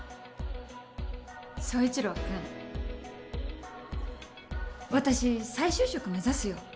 総一朗君私再就職目指すよ。